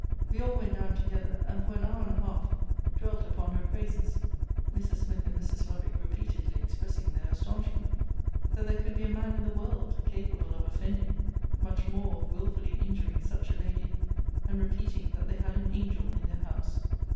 We all went down together; and, for an hour and a half, dwelt upon her praises; Mrs. Smith and Mrs. Lovick repeatedly expressing their astonishment, that there could be a man in the world, capable of offending, much more of wilfully injuring such a lady; and repeating, that they had an angel in their house.